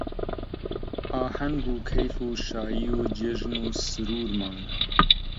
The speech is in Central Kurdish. ئاهەنگ و کەیف و شایی و جێژن و سروورمان